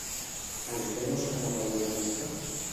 Per què no estan a favor de l'estat?